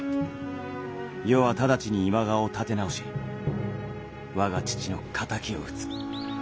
余は直ちに今川を立て直し我が父の敵を討つ。